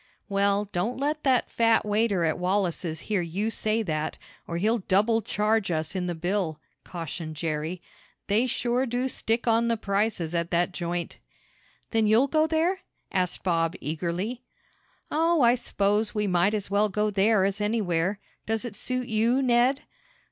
"Well, don't let that fat waiter at Wallace's hear you say that, or he'll double charge us in the bill," cautioned Jerry. "They sure do stick on the prices at that joint." "Then you'll go there?" asked Bob eagerly. "Oh, I s'pose we might as well go there as anywhere. Does it suit you, Ned?"